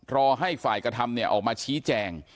รอให้ฝ่ายกระทำออกมาชี้แจง